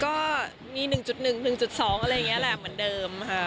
ก็มี๑๑๑๒อะไรอย่างนี้แหละเหมือนเดิมค่ะ